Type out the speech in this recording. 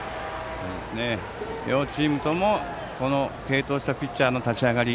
両チームとも継投したピッチャーの立ち上がり